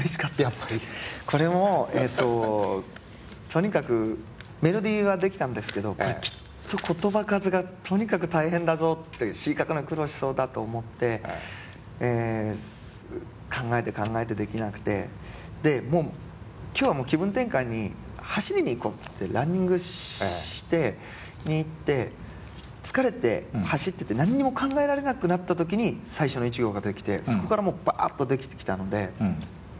とにかくメロディーは出来たんですけどきっと言葉数がとにかく大変だぞって詞書くの苦労しそうだと思って考えて考えてできなくてでもう今日はもう気分転換に走りに行こうってランニングしに行って疲れて走ってて何にも考えられなくなった時に最初の一行が出来てそこからもうばっと出来てきたので。